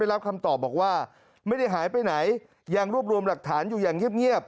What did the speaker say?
รับคำตอบบอกว่าไม่ได้หายไปไหนยังรวบรวมหลักฐานอยู่อย่างเงียบ